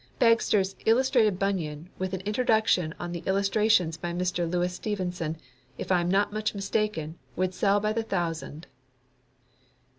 Bagster's "Illustrated Bunyan," with an introduction on the illustrations by Mr. Louis Stevenson, if I am not much mistaken, would sell by the thousand.